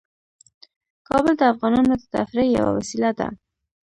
کابل د افغانانو د تفریح یوه وسیله ده.